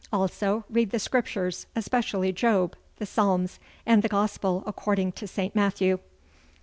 Also read the scriptures, especially Job, the Psalms, and the Gospel according to St. Matthew.